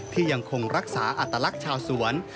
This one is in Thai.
ที่ยังคงรักษาอัตลักษณ์ชาวสวน